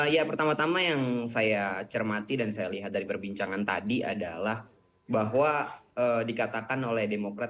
ya pertama tama yang saya cermati dan saya lihat dari perbincangan tadi adalah bahwa dikatakan oleh demokrat